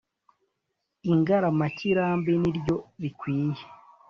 Ingaramakirambi ni ryo rikwiye,